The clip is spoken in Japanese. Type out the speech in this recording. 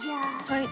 はい。